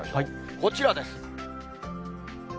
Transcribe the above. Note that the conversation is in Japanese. こちらです。